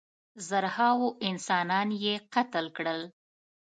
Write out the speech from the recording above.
زرهاوو انسانان یې قتل کړل.